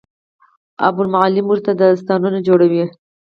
او بالعموم ورته داستانونه جوړوي،